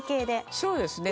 そうですね。